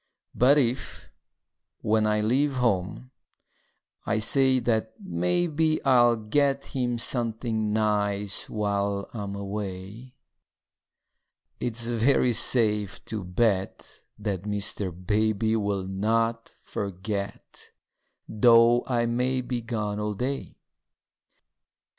But if, when I leave home, I say that maybe I'll get him something nice while I'm away, It's very safe to bet that Mr. Baby Will not forget, though I be gone all day.